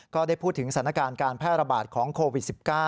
ก็ได้พูดถึงสถานการณ์การแพร่ระบาดของโควิด๑๙